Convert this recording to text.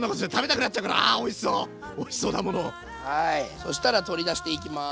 そしたら取り出していきます。